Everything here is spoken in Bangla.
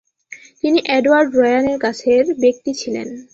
তিনি এডওয়ার্ড রয়ানের কাছের ব্যক্তি ছিলেন।